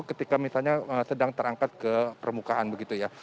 ketika misalnya sedang terangkat ke permukaan begitu ya